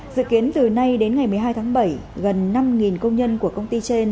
dự kiến từ nay đến ngày một mươi hai tháng bảy gần năm công nhân của công ty trên